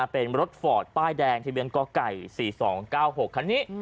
เป็นรถฟอร์ดป้ายแดงทะเบียนกไก่๔๒๙๖คันนี้